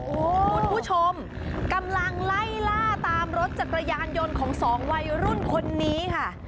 คุณผู้ชมกำลังไล่ล่าตามรถจักรยานยนต์ของสองวัยรุ่นคนนี้ค่ะ